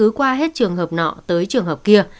cứ qua hết trường hợp nọ tới trường hợp kia